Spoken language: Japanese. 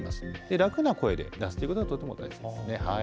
楽な声で出すということがとても大切ですね。